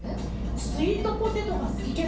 スイートポテトがすきケロ。